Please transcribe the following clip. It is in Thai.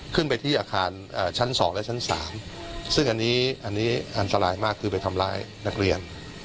ขึ้นไปที่อาคารชั้น๒และชั้น๓ซึ่งอันนี้อันตรายมากคือไปทำร้ายนักเรียน